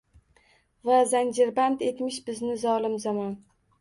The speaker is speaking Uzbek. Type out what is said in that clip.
Va zanjirband etmish bizni zolim zamon.